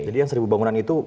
jadi yang seribu bangunan itu